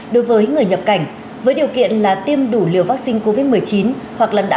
đối với người nhập cảnh với điều kiện là tiêm đủ liều vaccine covid một mươi chín